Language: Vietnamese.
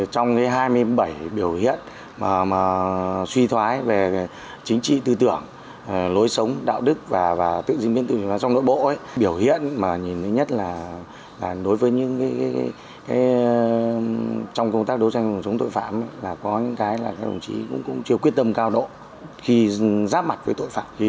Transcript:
trong hai mươi bảy biểu hiện suy thoái về chính trị tư tưởng lối sống đạo đức và tự diễn biến tư tưởng trong nội bộ biểu hiện nhìn nhất là đối với những trong công tác đấu tranh chống tội phạm là có những cái là đồng chí cũng chưa quyết tâm cao độ khi giáp mặt với tội phạm